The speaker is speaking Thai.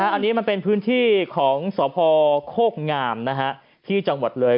อันนี้มันเป็นพื้นที่ของสพโคกงามที่จังหวัดเลย